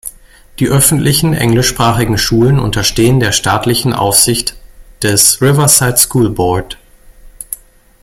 Die öffentlichen, englischsprachigen Schulen unterstehen der staatlichen Aufsicht des "Riverside School Board".